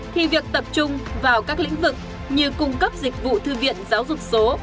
thì việc tập trung vào các lĩnh vực như cung cấp dịch vụ thư viện giáo dục số